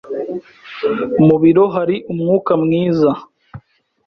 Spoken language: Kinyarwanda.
Mu biro hari umwuka mwiza.